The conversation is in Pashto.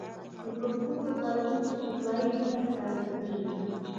د پښتنو په کلتور کې د صفايي خیال ساتل کیږي.